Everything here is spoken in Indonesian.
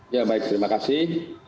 ya baik terima kasih